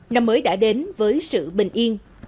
năm mới đã đến với sự bình yên